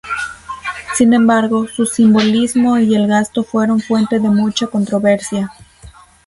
Sin embargo, su simbolismo y el gasto fueron fuente de mucha controversia.